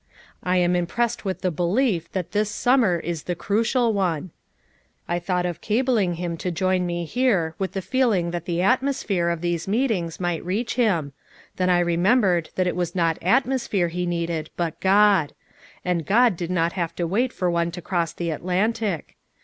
I am impressed with the belief that this sum mer is the crucial one. I thought of cabling him to join me here with the feeling that the at mosphere of these meetings might reach him; then I remembered that it was not atmosphere he needed, but God; and God did not have to wait for one to cross the Atlantic.